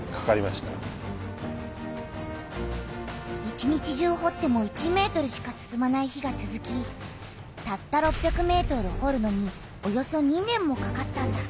一日中ほっても１ｍしか進まない日がつづきたった６００ｍほるのにおよそ２年もかかったんだ。